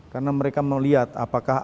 karena mereka melihat apakah